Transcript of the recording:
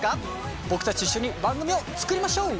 僕たちと一緒に番組を作りましょう！